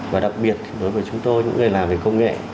và đặc biệt đối với chúng tôi những người làm về công nghệ